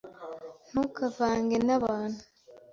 Ntukavange nabantu.